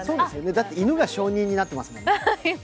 だって犬が証人になってますもんね。